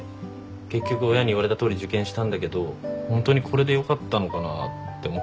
結局親に言われたとおり受験したんだけどホントにこれでよかったのかなって思ってて。